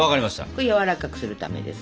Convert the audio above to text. これはやわらかくするためです。